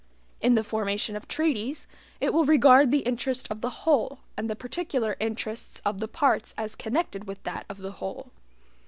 In the formation of treaties, it will regard the interest of the whole, and the particular interests of the parts as connected with that of the whole.